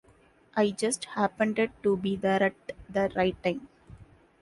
I just happened to be there at the right time.